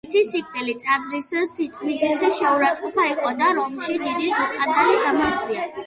მისი სიკვდილი ტაძრის სიწმინდის შეურაცყოფა იყო და რომში დიდი სკანდალი გამოიწვია.